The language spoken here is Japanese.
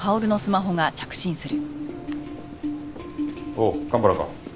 おう蒲原か。